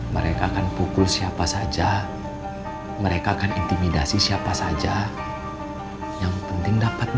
mereka akan pukul siapa saja mereka akan intimidasi siapa saja yang penting dapat